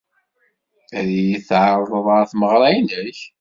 Ad iyi-d-tɛerḍed ɣer tmeɣra-nnek?